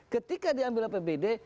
ketika diambil apbd